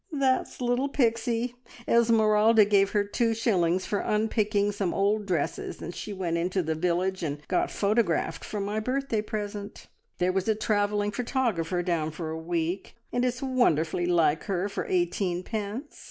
"That's little Pixie! Esmeralda gave her two shillings for unpicking some old dresses, and she went into the village and got photographed for my birthday present. There was a travelling photographer down for a week, and it's wonderfully like her for eighteenpence.